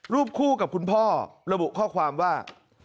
รูปคู่กับคุณพ่อระบุข้อความว่า